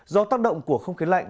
do tác động của không khí lạnh